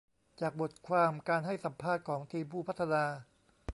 จากบทความการให้สัมภาษณ์ของทีมผู้พัฒนา